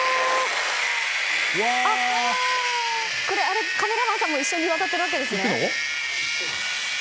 これ、カメラマンさんも一緒に渡っているわけですね。